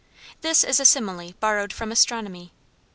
This is a simile borrowed from astronomy.